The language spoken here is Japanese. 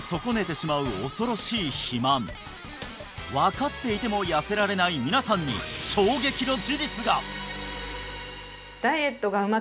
分かっていても痩せられない皆さんに衝撃の事実が！